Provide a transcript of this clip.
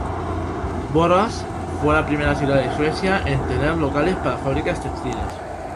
Borås fue la primera ciudad de Suecia en tener locales para fábricas textiles.